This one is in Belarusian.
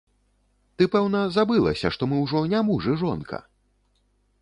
Ты, пэўна, забылася, што мы ўжо не муж і жонка?